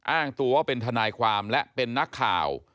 อ้างตัวว่าเป็นทนายความและเป็นนักข่าว